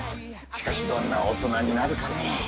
しかしどんな大人になるかね？